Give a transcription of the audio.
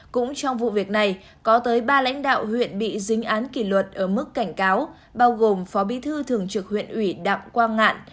cũng trong vụ việc này có tới ba lãnh đạo huyện bị dính án kỷ luật ở mức cảnh cáo bao gồm phó bí thư thường trực huyện ủy đặng quang ngạn